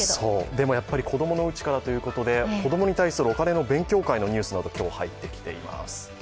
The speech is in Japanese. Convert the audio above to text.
でもやっぱり子供のうちからということで子供に対するお金の勉強会の今日、入ってきています。